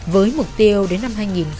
với mục tiêu đến năm hai nghìn hai mươi